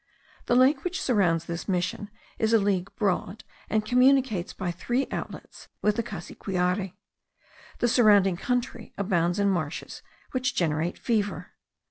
The lake which surrounds this mission is a league broad, and communicates by three outlets with the Cassiquiare. The surrounding country abounds in marshes which generate fever.